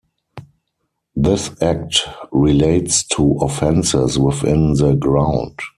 This act relates to offences within the ground.